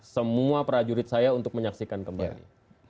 semua prajurit saya untuk menyaksikan kembali